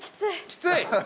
きつい。